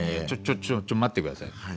ちょちょちょっと待って下さい。